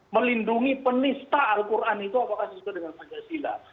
melindungi penista al quran itu apakah sesuai dengan pancasila